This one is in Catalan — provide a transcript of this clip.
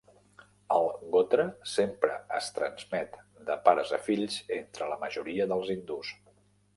El "gotra" sempre es transmet de pares a fills entre la majoria dels hindús.